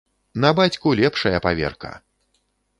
На бацьку лепшая паверка.